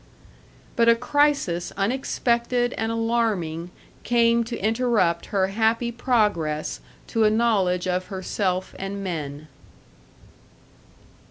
But a crisis unexpected and alarming came to interrupt her happy progress to a knowledge of herself and men.